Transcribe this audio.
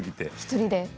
１人で。